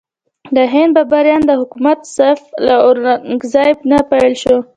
د هند بابریانو د حکومت ضعف له اورنګ زیب نه پیل شو.